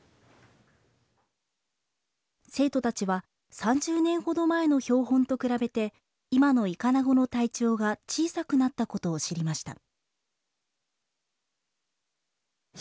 生徒たちは３０年ほど前の標本と比べて今のイカナゴの体長が小さくなったことを知りました。